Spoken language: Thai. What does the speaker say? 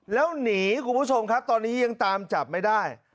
แล้วหนีคุณผู้ชมครับตอนนี้ยังตามจับไม่ได้